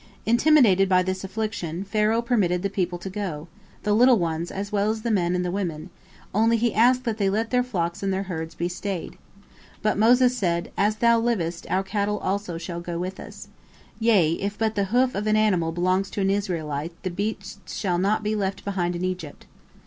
Intimidated by this affliction, Pharaoh permitted the people to go, the little ones as well as the men and the women, only he asked that they let their flocks and their herds be stayed. But Moses said: "As thou livest, our cattle also shall go with us. Yea, if but the hoof of an animal belongs to an Israelite, the beast shall not be left behind in Egypt."